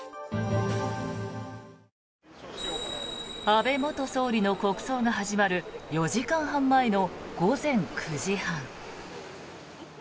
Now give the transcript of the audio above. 安倍元総理の国葬が始まる４時間半前の午前９時半。